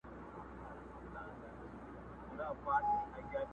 عالمونو زنده باد نارې وهلې!!